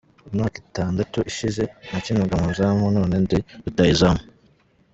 Imyaka itandatu ishize nakinaga mu izamu none ndi rutahizamu.